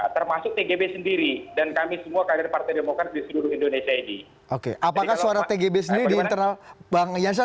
termasuk tgb sendiri dan kami semua kader partai demokrat di seluruh indonesia ini oke artinya